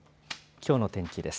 きょうの天気です。